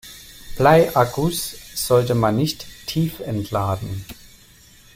Bleiakkus sollte man nicht tiefentladen.